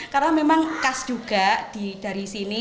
karena memang kas juga dari sini